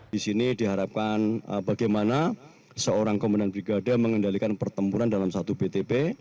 di sini diharapkan bagaimana seorang komandan brigade mengendalikan pertempuran dalam satu btp